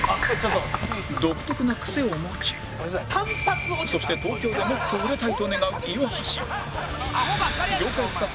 独特なクセを持ちそして東京でもっと売れたいと願う岩橋